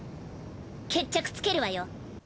決着つけるわよ。